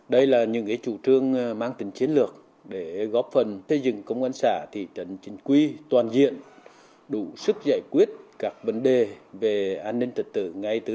đây là những chủ trương mang tình chiến lược để góp phần xây dựng công an xã thị trấn chính quy toàn diện đủ sức giải quyết các vấn đề về an ninh tật tự